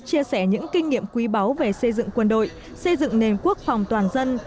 chia sẻ những kinh nghiệm quý báu về xây dựng quân đội xây dựng nền quốc phòng toàn dân